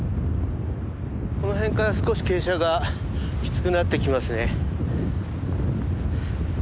この辺から少し傾斜がきつくなってきますね。